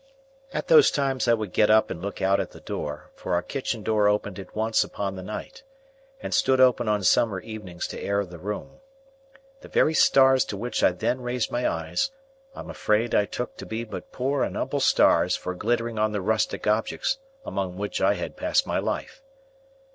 At those times I would get up and look out at the door; for our kitchen door opened at once upon the night, and stood open on summer evenings to air the room. The very stars to which I then raised my eyes, I am afraid I took to be but poor and humble stars for glittering on the rustic objects among which I had passed my life.